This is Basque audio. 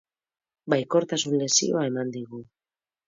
Baikortasun lezioa eman digu.